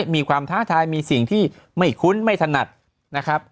ท้าทายมีสิ่งที่ไม่คุ้นไม่ถนัดนะครับ